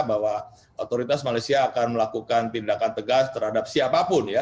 bahwa otoritas malaysia akan melakukan tindakan tegas terhadap siapapun ya